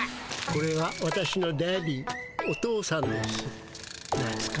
これは私のダディーお父さんです。